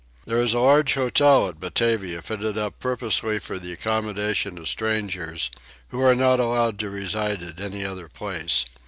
There is a large hotel at Batavia fitted up purposely for the accommodation of strangers, who are not allowed to reside at any other place.